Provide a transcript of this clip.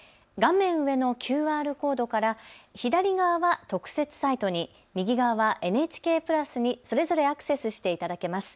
画面上のＱＲコードから左側は特設サイトに、右側はＮＨＫプラスにそれぞれアクセスしていただけます。